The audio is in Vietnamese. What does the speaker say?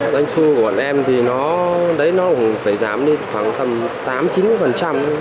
doanh thu của bọn em thì nó cũng phải giám đi khoảng tầm tám chín thôi